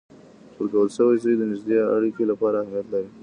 ورکول سوی زوی د نږدې اړیکو لپاره اهمیت لري.